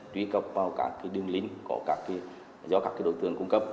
tuy cập vào các đường lính do các đối tượng cung cấp